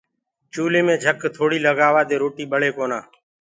چوليٚ مي جھَڪ ٿوڙيٚ لگآوآدي روٽيٚ ٻݪي ڪونآ